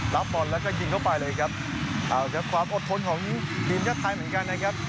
รับบอลแล้วก็ยิงเข้าไปเลยครับเอาครับความอดทนของทีมชาติไทยเหมือนกันนะครับ